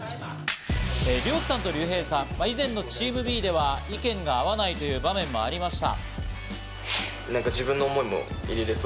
リョウキさんとリュウヘイさん、以前のチームＢでは意見が合わないという場面もありました。